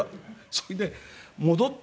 それで戻って。